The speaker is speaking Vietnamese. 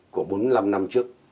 của bốn mươi năm năm trước